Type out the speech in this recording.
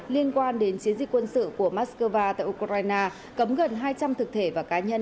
liên quan đến chiến dịch quân sự của moscow tại ukraine cấm gần hai trăm linh thực thể và cá nhân